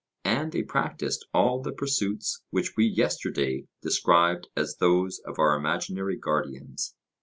And they practised all the pursuits which we yesterday described as those of our imaginary guardians.